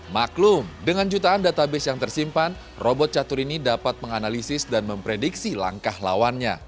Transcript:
maklum dengan jutaan database yang tersimpan robot catur ini dapat menganalisis dan memprediksi langkah lawannya